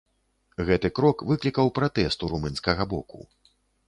Гэты крок выклікаў пратэст у румынскага боку.